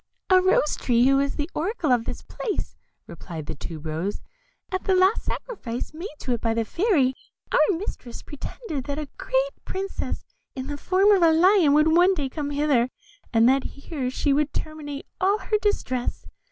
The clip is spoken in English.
"A Rose tree, who is the oracle of this place," replied the Tube rose, "at the last sacrifice made to it by the Fairy, our mistress, predicted that a great princess, in the form of a lion, would one day come hither, and that here she would terminate all her distress.